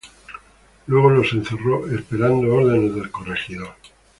Luego los encerró, esperando órdenes del corregidor.